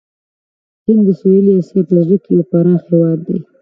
هند د سویلي آسیا په زړه کې یو پراخ هېواد دی.